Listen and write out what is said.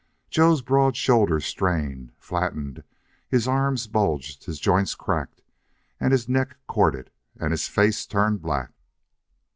Joe's broad shoulders strained, flattened; his arms bulged, his joints cracked, his neck corded, and his face turned black.